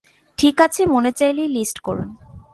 ঠিক আছে, মন চাইলে লিস্ট করুন!